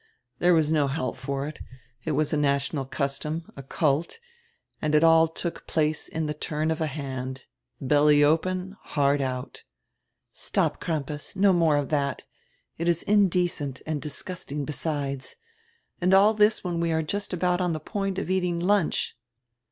There was no help for it, it was a national custom, a cult, and it all took place in the turn of a hand — belly open, heart out " "Stop, Crampas, no more of that. It is indecent, and disgusting besides. And all this when we are just about on the point of eating lunch!"